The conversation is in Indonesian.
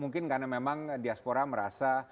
mungkin karena memang diaspora merasa